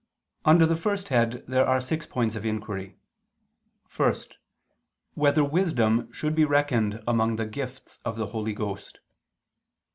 Under the first head there are six points of inquiry: (1) Whether wisdom should be reckoned among the gifts of the Holy Ghost?